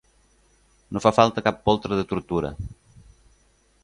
No fa falta cap poltre de tortura.